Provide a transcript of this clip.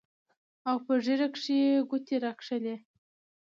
او پۀ ږيره کښې يې ګوتې راښکلې